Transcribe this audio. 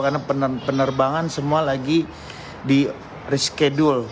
karena penerbangan semua lagi di reschedule